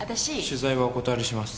取材はお断りします。